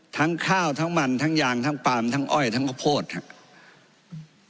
ทั้งข้าวทั้งมันทั้งยางทั้งปาล์มทั้งอ้อยทั้งข้าวโพดครับ